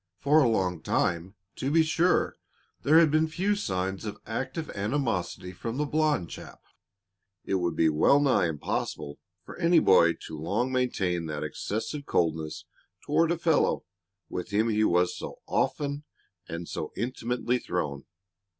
For a long time, to be sure, there had been few signs of active animosity from the blond chap. It would be well nigh impossible for any boy to long maintain that excessive coldness toward a fellow with whom he was so often and so intimately thrown.